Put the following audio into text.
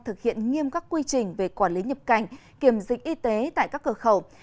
thực hiện nghiêm các quy trình về quản lý nhập cảnh kiểm dịch y tế tại các cửa khẩu